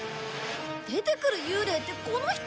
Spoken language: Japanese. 出てくる幽霊ってこの人？